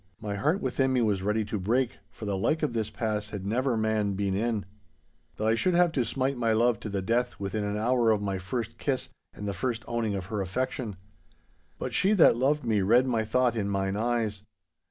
My heart within me was ready to break, for the like of this pass had never man been in. That I should have to smite my love to the death within an hour of my first kiss and the first owning of her affection. But she that loved me read my thought in mine eyes.